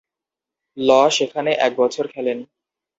ল সেখানে একবছর খেলেন।